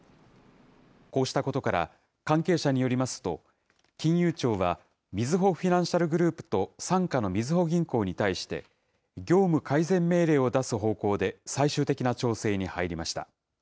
こうしたことから、関係者によりますと、金融庁はみずほフィナンシャルグループと傘下のみずほ銀行に対して、業務改善命令を出す方向で最終的な調整に入りました。